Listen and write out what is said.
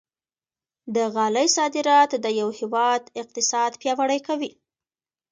د غالۍ صادرات د هېواد اقتصاد پیاوړی کوي.